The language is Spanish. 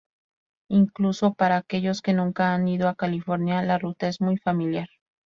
Incluso para aquellos que nunca han ido a California, la ruta es muy familiar.